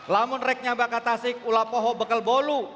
lamun reknya bakat asik ulapohok bekal bolu